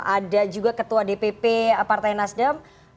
ada juga ketua dpp partai nasdem